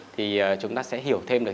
thì chúng ta sẽ hiểu thêm được